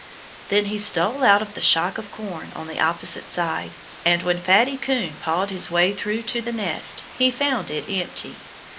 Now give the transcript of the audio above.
Then he stole out of the shock of corn, on the opposite side. And when Fatty Coon pawed his way through to the nest he found it empty.